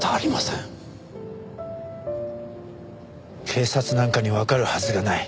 警察なんかにわかるはずがない。